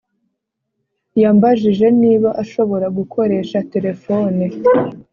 yambajije niba ashobora gukoresha terefone.